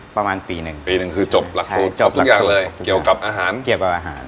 ประมาณปีนึงปีนึงคือจบหลักศูนย์ทุกอย่างเลยเกี่ยวกับอาหาร